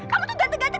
kamu tuh gante gante